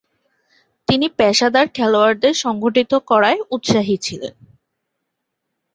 তিনি পেশাদার খেলোয়াড়দের সংগঠিত করায় উৎসাহী ছিলেন।